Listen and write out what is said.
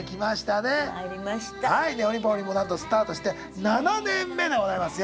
「ねほりんぱほりん」もなんとスタートして７年目でございますよ。